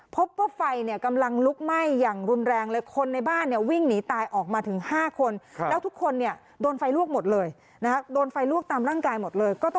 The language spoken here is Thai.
พบว่าไฟเนี่ยกำลังลุกไหม้อย่างรุนแรงเลย